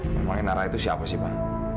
memang nara itu siapa sih pak